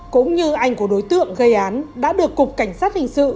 cũng như anh của đối tượng gây án đã được cục cảnh sát hình sự